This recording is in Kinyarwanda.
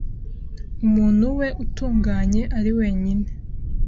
umuntu we utunganye ari wenyine